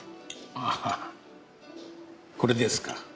ああこれですか。